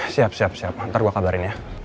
siap siap siap ntar gue kabarin ya